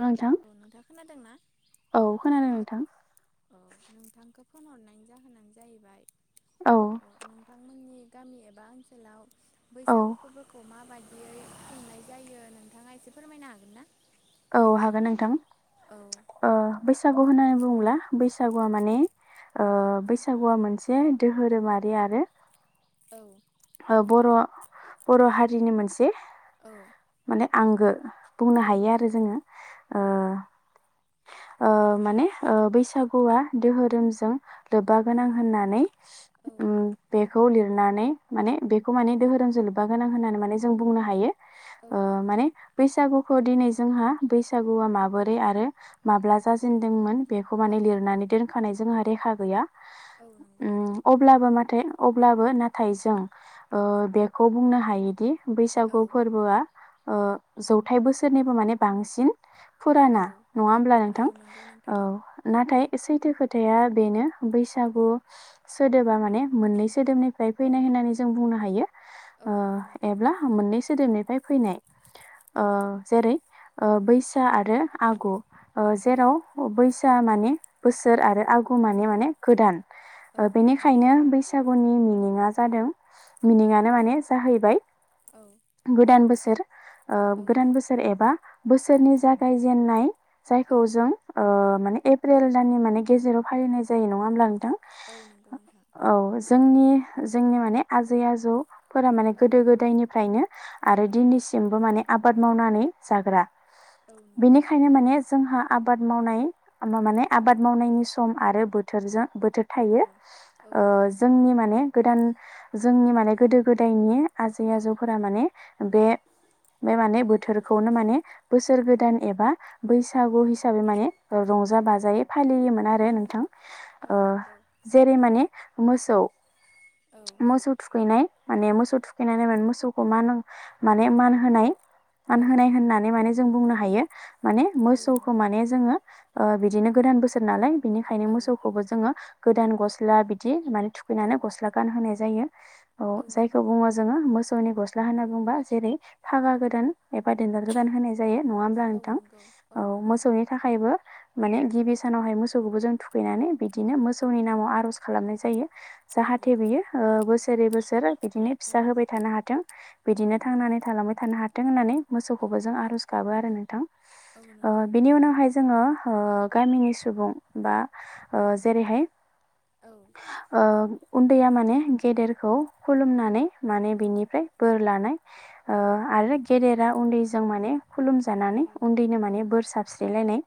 नोंथां औ नोंथाङा खोनादोंनाा औ खोनादों नोंथां औ नोंथांखौ फन हरनायनि जाहोनानो जाहैबाय औ अ नोंथांमोननि गामि एबा ओनसोलाव औ बैसागु फोरबोखौ माबादियै खुंनाय जायो नोंथाङा एसे फोरमायनो हागोन ना? औ हागोन औ नोंथां बैसागु होननानै बुङोब्ला औ बैसागुवा माने बैसागुआ मोनसे दोहोरोमारि आरो औ बर' बर' हारिनि मोनसे औ माने आंगो बुंनो औ हायो आरो नंगौ जोङो औ माने बैसागुवा दोहोरोमजों लोब्बा औ गोनां होननानै औ बे खौ लिरनानै माने बेखौ माने दोहोरोमजों लोब्बा गोनां होननानै माने जों बुंनो हायो औ नंगौ माने बैसागुखौ दिनै जोंहा बैसागुवा माबोरै आरो माब्ला जाजेेनदोंमोन बेखौ माने औ लिरनानै दोनखानाय जोंहा रेखा गैया औ नंगौ ओम अब्लाबो माने नाथाय अब्लाबो नाथाय जों बेखौ बुंनो हायोदि औ बैसागु फोरबोआ जौथाइ बोसोरनिबो माने बांसिन औ फुराना नङा होमब्ला औ नोंथां नंगौ औ नोंथां नाथाय सैथो खोथाया बेनो बैसागु सोदोबा माने मोननै सोदोबनिफ्राय औ फैनाय होननानै जों बुंनो हायो औ ओ नंगौ नोंथां एब्ला मोननै सोदोबनि फैनाय औ ओ जेरै बैसा आरो आगु ओ औ जेराव बैसोआ माने बोसोर आरो आ गु औ माने गोदान औ नंगौ नोंथां बेनिखायनो बैसागुनि मि निङा जादों मिनिङानो माने जाहैबाय औ गोदान बोस ओ औ गोदान बोसोर एबा बोसोरनि जागायजेेननाय औ जायखौ जों ओ माने एप्रिल दाननि माने गेजेराव फालिनाय जायो नङा होमब्ला नोंथां औ नंगौ नोंथां औ जोंनि जोंनि माने आजै आजौफोरा माने औ गोदो गोदायनिफ्रायनो आरो दिनैसिमबो माने आबाद मावनानै जाग्रा औ नंगौ बेनिखायनो माने जोंहा आबाद मावनाय होनबा माने आबाद मावनायनि सम आरो बोथोरजों बोथोर औ थायो औ ओ नंगौ जोंनि माने गोदान जोंनि माने गोदो गोदायनि आजै औ आजौफोरा माने बे बे माने बोथोरखौनो माने बोसोर गोदान एबा बैसागु हिसाबै माने रंजा बाजायै फालियोमोन आरो नोंथां। औ ओ नंगौ जेरै माने मोसौ औ मोसौ थुखैनाय माने मोसौ थुखैनानै माने मोसौखौ मान माने मान होनाय मान औ होनाय होननानै माने जों बुंनो हायो माने औ मोसौखौ नंगौ माने जोङो ओ बिदिनो गोदान बोसोर नालाय बिनिखायनो औ मोसौखौबो जोङो गोदान गस्ला बिदि माने औ थुखैनानै गस्ला गानहोनाय जायो। औ जायखौ बुङो जोङो मोस सौनि गस्ला होनना बुंङोबा जेरै फागा गोदान एबा दोनदाल गोदान होनाय जायो नङा होमब्ला औ नोंथां नंगौ औ नंगौ नोंथां मोसौनि थाखायबो माने गिबि सानावहाय मोसौखौबो जों थुखैनानै बिदिनो मोसौनि नामाव आर'ज खालामनाय जायो। औ जाहाथे नंगौ बियो ओ बोसोरै बोसोर बिदिनो औ फिसा होबाय थानो हाथों औ बिदिनो नंगौ थांनानै थालांबाय थानो हाथों होननानै औ मोसौखौबो जों आर'ज गाबो आरो नोंथां औ ओ नंगौ बेनि उनावहाय जोङो ओ गामिनि सुबुं बा ओ जेरैहाय औ ओ उन्दैया माने गेदेरखौ खुलुमनानै माने बिनिफ्राय बोर लानाय ओ औ आरो गेदेरा उन्दैजों माने खुलुम जानानै उन्दैनो औ नंगौ औ माने बोर सास्रिलायनाय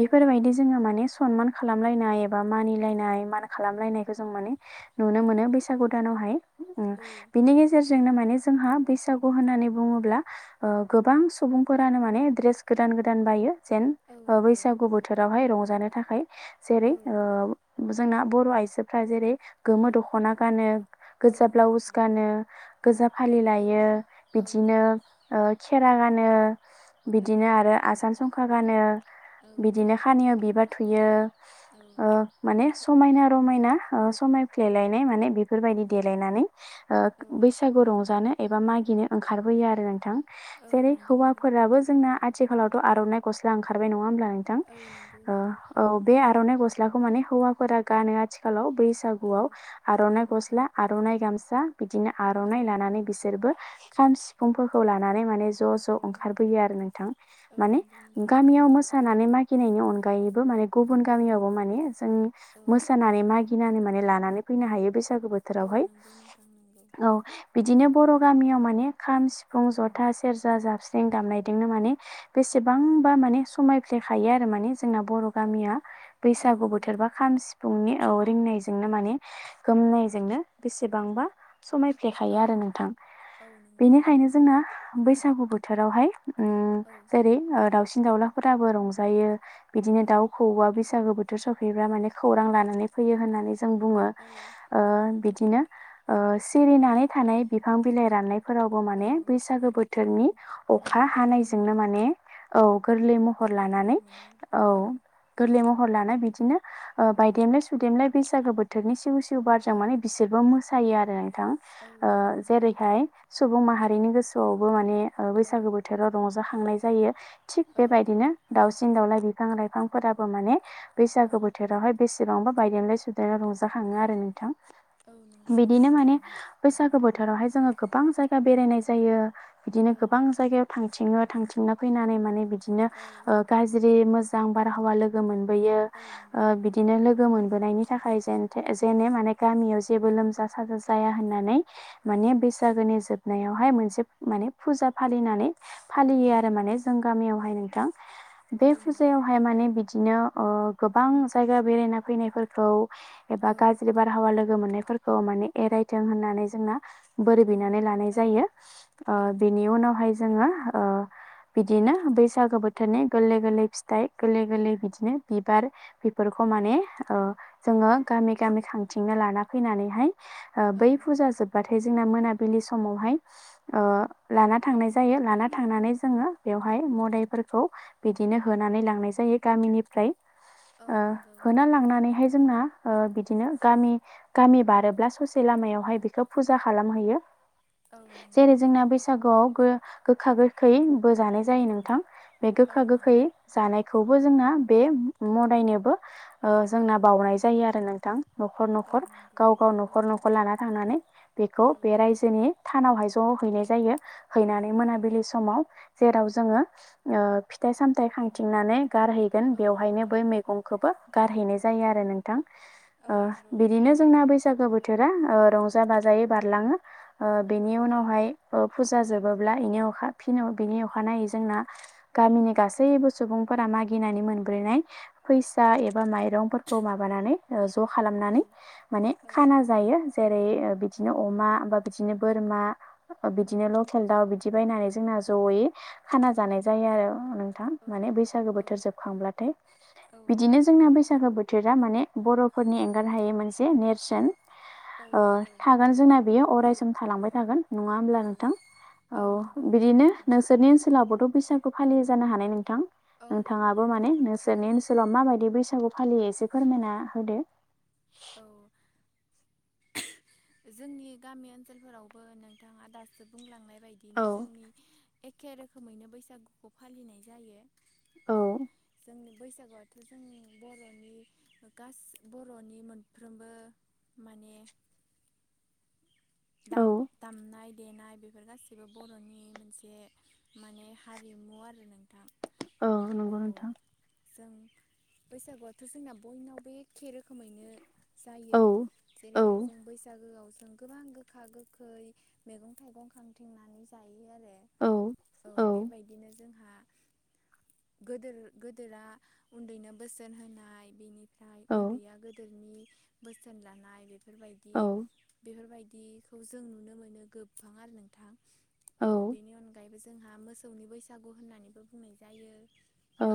बेफोर बायदि नंगौ जोङो माने सनमान खालामलायनाय एबा मानिलायनाय मान खालामलायनायखौ जों माने नुनो मोनो बैसागु दानावहाय उम बिनि गेजेरजोंनो माने जोंहा बैसागु होननानै बुङोब्ला ओ गोबां सुबुंफोरानो माने ड्रेस गोदान गोदान बायो जेन ओ बैसागु बोथोरावहाय रंजानो थाखाय जेरै औ ओ जोंना बर' आइजोफ्रा जेरै गोमो दख'ना गानो। औ गोजा नंगौ ब्लाउस नोंथां गानो औ गोजा फालि लायो बिदिनो ओ खेरा गा नो औ बिदिनो आरो आसान संखा गानो बिदिनो खानियाव बिबार थुयो औ ओ माने समायना रमायना समायफ्लेलायनाय माने बेफोर बायदि देलायनानै ओ बैसागु रंजानो एबा मागिनो ओंखारबोयो आरो नोंथां औ जेरै नंगौ नोंथां औ नंगौ नोंथां हौवाफोराबो जोंना आथिखालावथ' आर'नाइ गस्ला ओंखारबाय नङा होमब्ला नोंथां औ ओ औ बे आर'नाइ गस्लाखौ माने हौवाफोरा गानो आथिखालाव बैसागुआव औ आर'नाइ नंगौ गस्ला आर'नाइ गामसा बिदिनो आर'नाइ लानानै बिसोरबो खाम सिफुंफोरखौ लानानै माने ज' औ ज' ओंखारबोयो आरो नोंथां। औ माने नंगौ नोंथां गामियाव मोसानानै मागिनायनि अनगायैबो माने गुबुन औ गामियावबो माने जों औ मोसानानै मागिनानै माने लानानै फैनो हायो बै सागो औ बोथोरावहाय नंगौ नोंथां नंगौ औ बिदिनो बर' गामियाव माने खाम सिफुं जथा सेरजा जाबस्रिं दामनायदोंनो माने बेसेबांबा माने समायफ्लेखायो आरो माने जोंना बर' औ गामिया औ बैसागु नंगौ नोंथां बोथोरबा खाम सिफुंनि औ रिंनायजो जोंनो माने गोमनायजोंनो बेसेबांबा समायफ्लेखायो औ आरो नोंथां। औ नंगौ बेनिखायनो जोंना बैसागु बोथोरावहाय उ औ जेरै दावसिन दावउलाफोराबो रंजायो बिदिनो दाउ खौवा बैसागो बोथोर सौ फैबा माने औ खौरां लानानै फैयो होननानै जों बुङो ओ औ नंगौ बिदिनो ओ सिरिनानै थानाय बिफां बिलाइ राननायफोरावबो माने औ बैसागो बोथोरनि औ अखा हानाय गोरलै जों नो महर माने औ गोरलै महर गोरलै लानानै मोनो औ गोरलै महर लानाय बि बिदिनो बायदेमलाय सुदेमलाय बैसागो बोथोरनि सिउ सिउ बारजों औ माने बिसोरबो मोसायो आरो थां औ ओ नंगौ नोंथां जेरैहाय सुबुं माहारिनि गोसोआवबो मान औ बैसागु बोथोराव जाखांनाय जायो थिग औ बेबायदिनो दाावसिन दाउलाय बिफां लाइफांफोराबो माने औ बैसागो बोथोरावहाय बेसेबांबा बायदेेमलाय सुदेमलाय रंजाखाङो आरो नोंथां औ नंगौ बिदिनो नोंथां माने बैसागो बोथोरावहाय जोङो गोबां जायगा बेरायनाय जायो बिदिनो औ गोबां जायगायाव थांथिङो थांथिंना फैनानै माने बिदिनो औ ओ गाज्रि मो जां बारहावा लोगो मोनबोयो औ ओ नंगौ बिदिनो लोगो मोनबोनायनि थाखाय जों जेननो माने गामियाव जेबो लोमजा साजा जाया होननानै औ माने बैसागोनि जोब नायावहाय मोनसे माने फुजा फालिनानै औ फालियो आरो नंगौ माने जों गामियावहाय नोंथां औ बे नंगौ फुजायावहाय माने बिदिनो ओ गोबां जायगा बेरायना फैनायफोरखौ एबा औ गाज्रि बारहावा लोगो मोननायफोरखौ माने एरायथों होननानै जोंना बोर बिनानै उम लानाय औ जायो औ नंगौ बेनि उनावहाय जोङो बिदिनो बैसागो बोथोरनि गोरलै गोरलै फिथाइ गोरलै गोरलै बिदिनो बिबार बेफोरखौ औ माने ओ जोङो गामि गामि खांथिंना लाना फैनानैहाय ओ औ बै फुजा जोबबाथाय जोंना मोनाबिलि समावहाय ओ लाना थांनाय जा जायो लाना थांनानै जोङो बेवहाय मदाइफोरखौ बिदिनो होनानै लांनाय जायो गामिनिफ्राय औ ओ नंगौ होना लांनानैहाय जोंना ओ बिदिनो गामि गामि बारोब्ला ससे लामायावहाय बिखौ फुजा खालामहैयो औ नंगौ जेरै जोंना बैसागुआव गो गोखा गोखै बो जानाय जायो नोंथां बे औ गोखा नंगौ गोखै जानायखौबो जोंना बे मदायनोबो ओ औ जोंना बाउनाय जायो आरो नोंथां न'खर औ न'खर नंगौ गाव गाव औ न'खर न'खर लाना थांनानै बेखौ बे औ रायजोनि थानावहाय ज हैनाय जायो हैनानै औ मोनाबिलि समाव जेराव जोङो ओ फिथाइ सामथाइ खांथिंनानै गारहैगोन औ बेवहायनो बै मैगंखौबो गारहैनाय जायो आरो नोंथां औ ओ नंगौ बिदिनो जोंना बैसागो बोथोरा रंजा बाजायै बारलाङो ओ औ बेनि उनावहाय फुजा जोबो ब्ला इनि अखा फिन बिनि अखानायनायै जोंना गामिनि गासैबो सुबुंफोरा मागिनानै मोन मोनबोनाय फैसा एबा माइरंफोरखौ माबानानै ओ ज' औ खालामनानै मान औ खाना जायो जे बिदिनो अमा बा बिदिनो बोरमा ओ बिदिनो लखेल बायनानै जोंना ज'यै खाना जानाय जायो आरो नोंथां माने बैसागो बोथोर जोबखांब्लाथाय औ बिदिनो जोंना बैसागो बो थोरा माने बर'फोरनि एंगार हायै मोनसे नेरसोन ओ नंगौ थागोन जोंना बेयाव अरायसम थालांबाय थागोन नङा होमब्ला औ नोंथां औ नंगौ नोंथां बिदिनो नंगौ नोंसोरनि ओनसोलावबोथ' बैसागु फालियो जानो हानाय नों थां औ नोंथाङाबो नंगौ माने नोंथां नोंसोरनि ओनसोलाव माबायदि बैसागु फालियो एसे फोरमायना होदो औ जोंनि गामि ओनसोलफोरावबो नोंथाङा दासो बुंलांनाय बायदियैनो औ जोंनि एखे रोखोमैनो बैसागुखौ फालिनाय औ जायो जों बैसागुआथ' जोंनि बर'नि गास बर'नि मोनफ्रोमबो माने दाम औ दामनाय देनाय बेफोर गासिबो बर'नि मोनसे माने हारिमु आरो नों औ नंगौ नोंथां। जों बैसागुआथ' जोंना बयनावबो एखे रो खोमैनो जायो औ औ जेरैहाय जों बैसागोआव जों गोबां गो गोखा-गोखै, मैगं-थाइगं खांथिंनानै जायो। आरो औ औ बेबायदिनो जों। गोदोरा उन्दैनो बोसोन होनाय बेनि ओमफ्राय औ उन्दैया गोदोनि बोसोन लानाय बेफोरबायदि औ बेफोरबायदि खौ जों नुनो मोनो गोबां आरो नोंथां औ बेनि अनगायैबो जों। जोंहा मोसौनि बैसागु होननानैबो बुंनाय जायो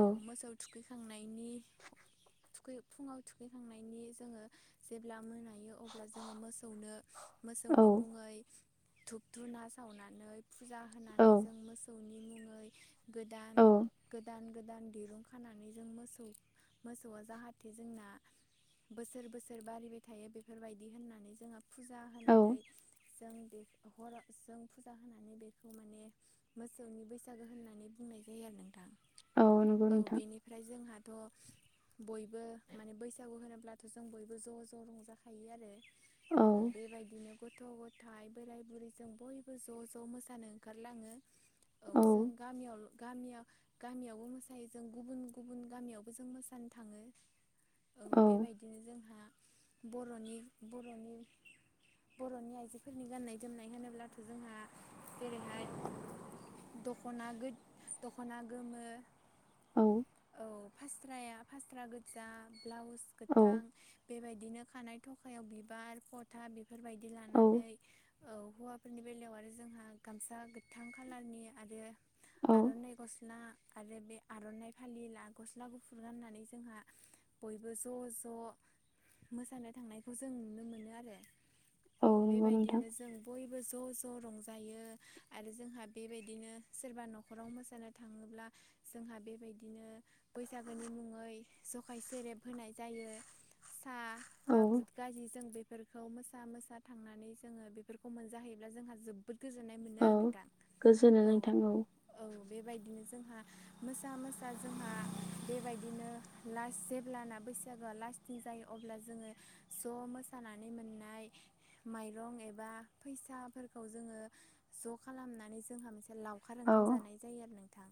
औ मोसौ थुखै बिनि फुंआव थुखैखांनायनि जेब्ला [unintelligible] ओ अब्ला जोङो मोसौनो औ। धुपधुना सावनानै फुजा होनानै औ जों मोसौनि मुङै। गोदान गोदान गोद गोदान दिरुं खानानै जों मोसौ मोसौआ जाहाथे जोंना बोसोर बोसोर बारिबाय थायो बेफोरबायदि होननानै जोंहा फुजा औ। होनानै जों बे हराव जों फुजा होनानै बेखौ माने मोसौनि बैसागो होननानै। नाय जायो नोंथां औ नंगौ औ नोंथां बेनिफ्राय जोंहा थ' बयबो माने बैसागु होनोब्लाथ' जों बयबो ज' ज' रंजाखायो आरो। औ अ बे बायदिनो गथ' गथायाइ बोराय बुरैजों बयबो ज' ज' मोसानो ओंखारलाङो। औ जों गामियावल' गामियाव गामियावबो मोसायो जों गुबुन गुबुन गामियावबो जों मोसानो थाङो। औ बे बायदिनो जोंहा बर'नि बर'नि बर'नि आइजोफोरनि गाननाय जोमनाय होनोब्लाथ' जोंहा जेरैहाय। दख'ना गो- दख'ना गोमो औ। औ फास्राया फास्रा गोजा ब्लाउस गोथां औ बेबायदि बिदिनो खानाय थखायाव बिबार फथा बेफोरबायदि औ लानानै औ हौवाफोरनि बेलायाव आरो जोंहा गामसा गोथां खालारनि आरो। औ आर'ननाइ गस्ला आरो बे आर'नाइ फालिला गस्ला गुफुर गाननानै जोंहा बयबो ज' ज' मोसानो थांनायखौ जों नुनो मोनो आरो। औ नंगौ नोंथां बेबायदिनो जों बयबो ज' ज' ज' रंजायो आरो जोंहा बेबायदिनो सोरबा न'खराव मोसानो थाङोब्ला जों जोंहा बेबायदिनो बैसागोनि मुङै जखाय सेरेब होनाय जायो। साहा औ बा बुदगाजि जों बेफोरखौ मो मोसा मोसा थांनानै जोङो बेफोरखौ मोनजाहैयोब्ला जोंहा जोबोद। गोजोननाय मोनो औ आरो नोंथां गोजोनो औ नोंथां औ बेबायदिनो जोंहा मोसा मोसा जोंहा बेबायदिनो लास जेब्लाना बैसागोआ लास्थिं ज जायो अब्ला जोङो ज' मोसानानै मोननाय। माइरं एबा फैसाफोरखौ जोङो ज' खालामनानै जोंहा मोनसे लावखार औ ओंखाम जानाय जायो आरो नोंथां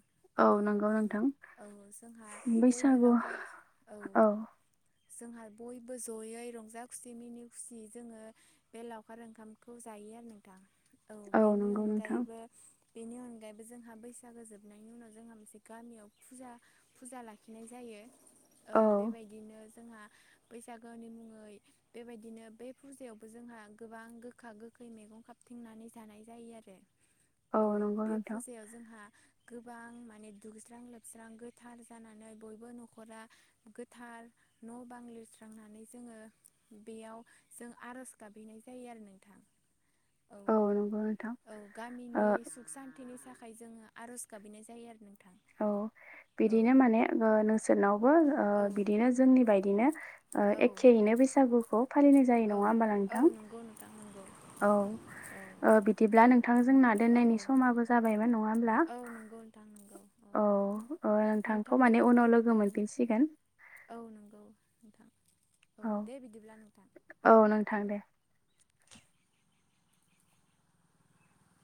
औ। नंगौ नोंथां औ जोंहा बयबो बैसागु लावखार औ। जोंहा बयबो जयै रंजा खुसि मिनि खुसि जोङो। बे लावखार ओंखामखौ जायो आरो नोंथां औ बेनि नंगौ नोंथां अनगायैबो बेनि अनगायैबो जोंहा बैसागो जोबनायनि उनाव जोंहा मोनसे गामियाव फुजा फुजा लाखिनाय जायो। औ बेबायदिनो जोंहा बैसागोनि मुङै बेबायदिनो बे फुजायाव जोंहा गोबां गोखा गोखै मैगं खााबथिंनानै जानाय जायो आरो। औ नंगौ बे नोंथां फुजायाव जोंहा गोबां माने दुगस्रां लोबस्रां गोथार जानानै बयबो न'खरा गोथार न' बां लिरस्रांनानै जोङो बेयाव जों आर'ज। गाबहैनाय जायो आरो नोंथां। औ नंगौ नोंथां औ ओ गामिनि सुख सान्थिनि साख। थाखाय जोङो आर'ज गाबहैनाय जायो आरो नोंग। औ। बिदिनो माने ओ नोंसोरनावबो ओ औ बिदिनो जोंनि बायदिनो ओ औ एखेयैनो। बैसागुखौ फालिनाय जायो औ नङा ओमबा नोंग। औ नंगौ नोंथां नंगौ। औ औ ओ बिदिब्ला नोंथां जोंना औ दोननायनि समाबो जाबाय बा नङा। होमब्ला औ नंगौ नोथां। औ ओ नोंथांखौ नोंथांजों माने उनाव लोगो औ मोनफिनसिगोन। औ नोंगौ नोंथां। औ दे बिदिब्ला नोंथां। औ नोंथां दे।